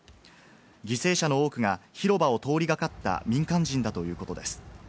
犠牲者の多くが広場を通りがかった民間人だということです。